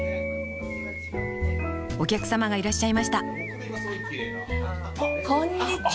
お客様がいらっしゃいましたこんにちは。